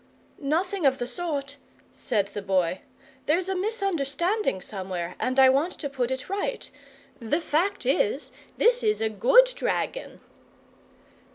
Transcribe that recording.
"Nothing of the sort," said the Boy. "There's a misunderstanding somewhere, and I want to put it right. The fact is, this is a GOOD dragon."